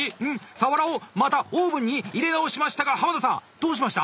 さわらをまたオーブンに入れ直しましたが濱田さんどうしました？